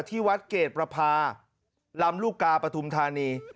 ที่วัดเกรดประพาลำลูกกาปฐุมธานี